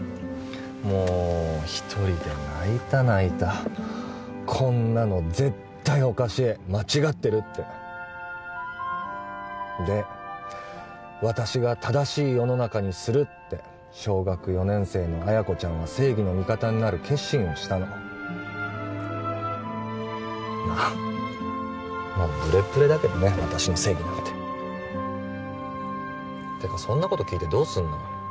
もう一人で泣いた泣いたこんなの絶対おかしい間違ってるってで私が正しい世の中にするって小学４年生の彩子ちゃんは正義の味方になる決心をしたのまあもうブレッブレだけどね私の正義なんててかそんなこと聞いてどうすんのよ？